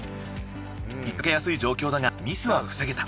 ひっかけやすい状況だがミスは防げた。